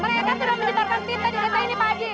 mereka sudah menjibarkan kita dari kita ini pak haji